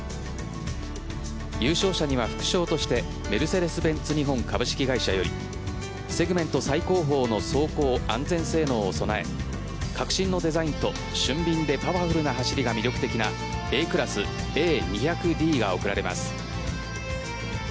優勝者には副賞としてメルセデス・ベンツ日本株式会社よりセグメント最高峰の走行安全性能を備え革新のデザインと俊敏でパワフルな走りが魅力的なＡクラスＡ２００ｄが贈られます。